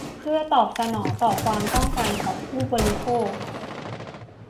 เพื่อตอบสนองต่อความต้องการของผู้บริโภค